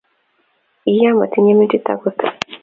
iyaa motinye metit agot.